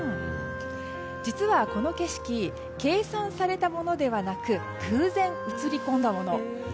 実は、この景色計算されたものではなく偶然映り込んだもの。